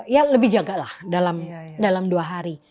ya lebih jaga lah dalam dua hari